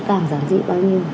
càng giản dị bao nhiêu